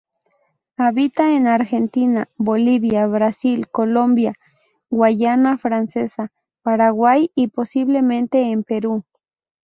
Habita en Argentina, Bolivia, Brasil, Colombia, Guayana Francesa, Paraguay y posiblemente en Perú.